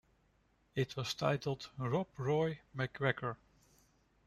It was titled "Rob Roy MacGregor".